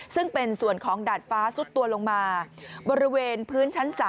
ซึ่งเป็นส่วนของดาดฟ้าซุดตัวลงมาบริเวณพื้นชั้น๓